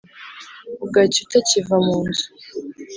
Bugacya utakiva mu nzu.